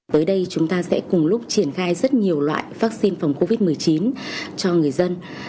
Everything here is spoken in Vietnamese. tới đây chúng ta sẽ cùng lúc triển khai rất nhiều loại vaccine phòng covid một mươi chín cho người dân